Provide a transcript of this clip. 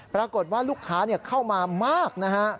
ปรากฏว่าลูกค้าเข้ามามากนะฮะ